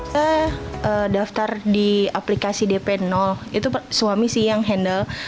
saya daftar di aplikasi dp itu suami sih yang handle